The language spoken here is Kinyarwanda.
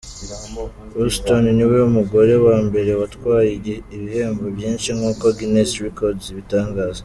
Houston niwe mugore wa mbere watwaye ibihembo byinshi nk’uko Guinness records ibitangaza.